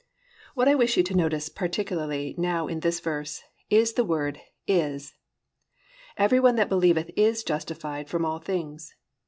"+ What I wish you to notice particularly now in this verse is the word Is, "Everyone that believeth is justified from all things."